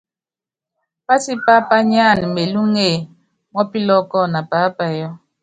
Pátipá pányáana melúŋe mɔ́ pilɔ́kɔ na paápayɔ́.